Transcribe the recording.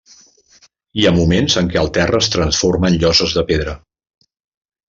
Hi ha moments en què el terra es transforma en lloses de pedra.